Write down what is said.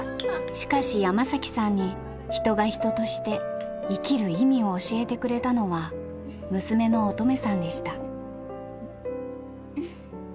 しかし山さんに人が人として生きる意味を教えてくれたのは娘の音十愛さんでした。